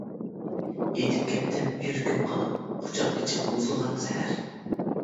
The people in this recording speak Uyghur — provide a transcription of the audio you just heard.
يېتىپ كەتتىم يۈرىكىم قاناپ، قۇچاق ئېچىپ مۇزلىغان سەھەر.